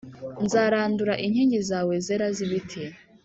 Nzarandura inkingi zawe zera z’ibiti